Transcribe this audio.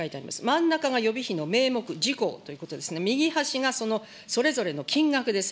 真ん中が予備費の名目、事項ということですね、右端がそのそれぞれの金額です。